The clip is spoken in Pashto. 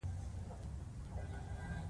هوښیار خلک په هر څه نه پوهېږي دا حقیقت دی.